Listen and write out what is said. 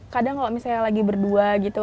kadang kalau misalnya lagi berdua gitu